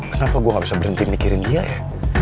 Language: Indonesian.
kenapa gue gak bisa berhenti mikirin dia ya